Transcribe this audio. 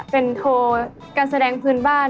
เป็นโทรการแสดงพื้นบ้าน